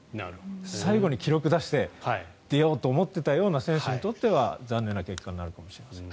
最後に記録を出して出ようと思っていたような選手にとっては残念な結果になるかもしれないですね。